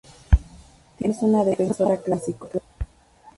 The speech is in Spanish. Timina es una defensora clásico.